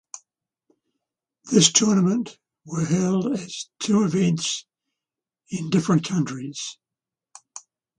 This tournament were held as two events in different countries.